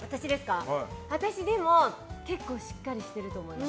私は結構しっかりしてると思います。